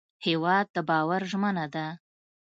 هېواد د باور ژمنه ده.